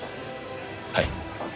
はい。